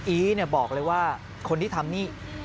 อี๋เนี่ยบอกเลยว่าคนที่ทำนี่